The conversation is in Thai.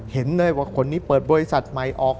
เห็นเลยว่าคนนี้เปิดบริษัทใหม่ออก